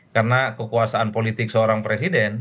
karena kekuasaan politik seorang presiden